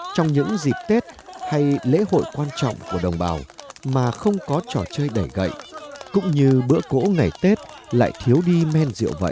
trong những dịp tết hay lễ hội quan trọng của đồng bào mà không có trò chơi đẩy gậy cũng như bữa cỗ ngày tết lại thiếu đi men rượu vậy